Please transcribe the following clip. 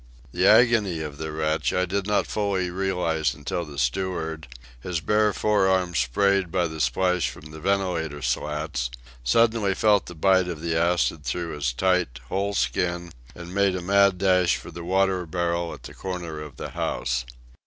The agony of the wretch I did not fully realize until the steward, his bare fore arms sprayed by the splash from the ventilator slats, suddenly felt the bite of the acid through his tight, whole skin and made a mad rush for the water barrel at the corner of the house.